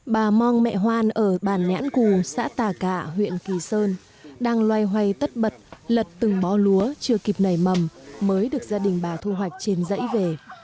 bà mong mẹ hoan ở bản nhãn cù xã tà cạ huyện kỳ sơn đang loay hoay tất bật lật từng bó lúa chưa kịp nảy mầm mới được gia đình bà thu hoạch trên dãy về